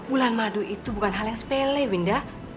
bulan madu itu bukan hal yang sepele winda